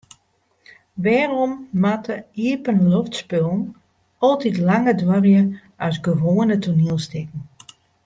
Wêrom moatte iepenloftspullen altyd langer duorje as gewoane toanielstikken?